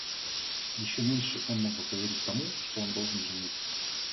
Еще меньше он мог бы поверить тому, что он должен жениться.